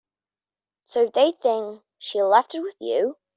So they think she left it with you.